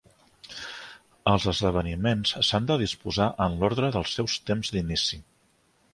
Els esdeveniments s'han de disposar en l'ordre dels seus temps d'inici.